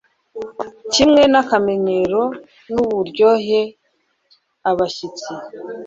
kimwe n’akamenyero n’uburyohe abashyitsi